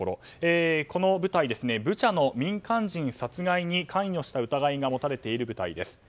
この部隊、ブチャの民間人殺害に関与した疑いが持たれている部隊です。